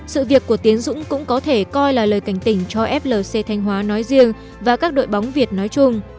sự việc của tiến dũng cũng có thể coi là lời cảnh tỉnh cho flc thanh hóa nói riêng và các đội bóng việt nói chung